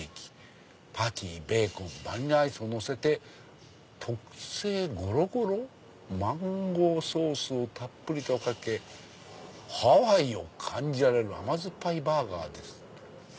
パティベーコンバニラアイスを乗せて特製ごろごろマンゴーソースをたっぷりとかけハワイを感じれる甘酸っぱいバーガーです」。